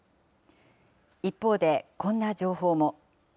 一方で、こんな情報も。